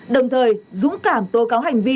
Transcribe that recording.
đồng thời dũng cảm tố cáo hành vi